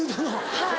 はい。